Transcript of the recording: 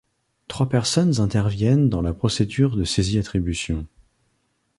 Trois personnes interviennent dans la procédure de saisie-attribution.